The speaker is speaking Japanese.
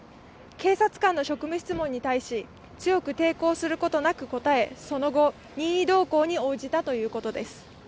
警察官の職務質問に対し、強く抵抗することなく答え、その後、任意同行に応じたということです。